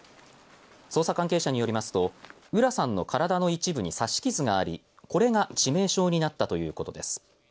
捜査関係者によりますと浦さんの体の一部に刺し傷がありこれが致命傷になったということです。